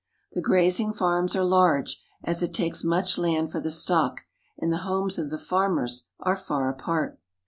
The grazing farms are large, as it takes much land for the stock, and the j homes of the farmers are far apart.